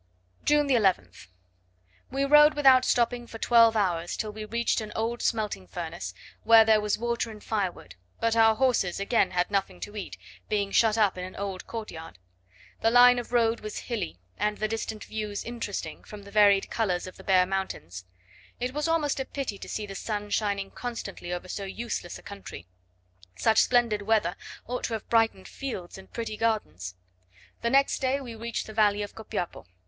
June 11th. We rode without stopping for twelve hours till we reached an old smelting furnace, where there was water and firewood; but our horses again had nothing to eat, being shut up in an old courtyard. The line of road was hilly, and the distant views interesting, from the varied colours of the bare mountains. It was almost a pity to see the sun shining constantly over so useless a country; such splendid weather ought to have brightened fields and pretty gardens. The next day we reached the valley of Copiapo.